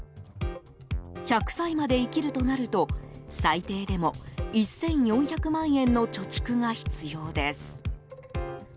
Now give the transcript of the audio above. １００歳まで生きるとなると最低でも１４００万円の貯蓄が必要です。